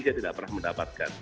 saya tidak pernah mendapatkan